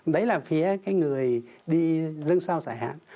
đấy là phía cái người đi dân sao giải hạn